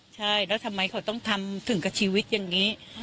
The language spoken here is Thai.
ใช่แล้วทำไมเขาต้องทำถึงกับชีวิตอย่างนี้